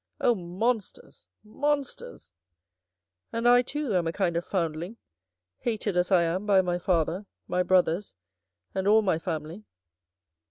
Oh, Monsters ! Monsters ! And I too, am a kind of foundling, hated as I am by my father, my brothers, and all my family."